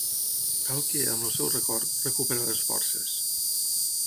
Cal que, amb el seu record, recupere les forces.